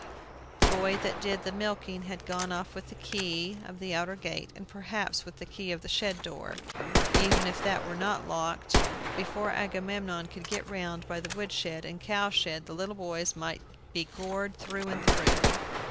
The boy that did the milking had gone off with the key of the outer gate, and perhaps with the key of the shed door. Even if that were not locked, before Agamemnon could get round by the wood shed and cow shed, the little boys might be gored through and through!